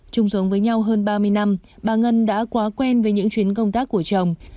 chung giống với nhau hơn ba mươi năm bà ngân đã quá quen với những chuyến công tác của chồng